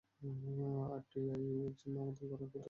আরটিআই-এর জন্য আবেদন করার কী দরকার ছিল?